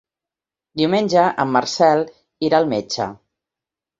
Diumenge en Marcel irà al metge.